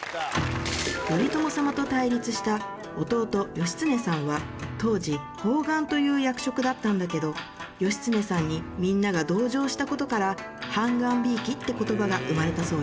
頼朝様と対立した弟義経さんは当時判官という役職だったんだけど義経さんにみんなが同情した事から判官贔屓って言葉が生まれたそうよ。